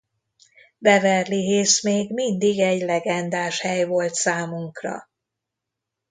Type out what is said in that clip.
Beverly Hills még mindig egy legendás hely volt számunkra.